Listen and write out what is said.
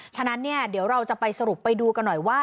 ฉะนั้นเนี่ยเดี๋ยวเราจะไปสรุปไปดูกันหน่อยว่า